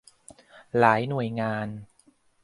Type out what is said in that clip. หลายหน่วยงาน